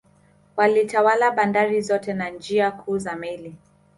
Walitawala bandari zote na njia kuu za meli